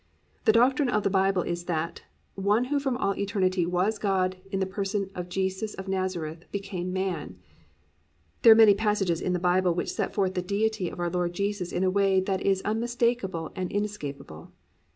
The doctrine of the Bible is that, One Who from all eternity was God in the person of Jesus of Nazareth became man. There are many passages in the Bible which set forth the Deity of our Lord Jesus in a way that is unmistakable and inescapable.